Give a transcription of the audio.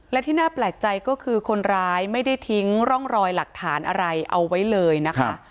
และที่น่าแปลกใจก็คือคนร้ายไม่ได้ทิ้งร่องรอยหลักฐานอะไรเอาไว้เลยนะคะ